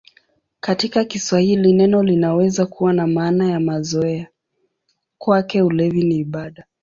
Katika Kiswahili neno linaweza kuwa na maana ya mazoea: "Kwake ulevi ni ibada".